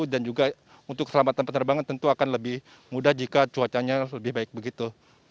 dan juga untuk selamatan penerbangan tentu akan lebih mudah jika cuacanya lebih baik begitu